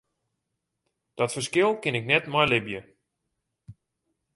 Dat ferskil kin ik net mei libje.